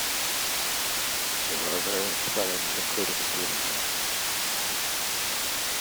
There are variant spellings including Stevenson.